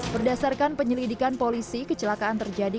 berdasarkan penyelidikan polisi kecelakaan terjadi